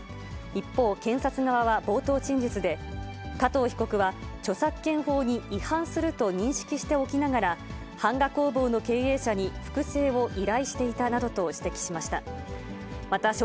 一方、検察側は冒頭陳述で、加藤被告は著作権法に違反すると認識しておきながら、版画工房の経営者に複製を依頼していたなどと指摘しました。